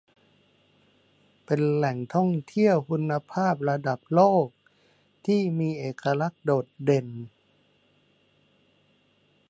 เป็นแหล่งท่องเที่ยวคุณภาพระดับโลกที่มีเอกลักษณ์โดดเด่น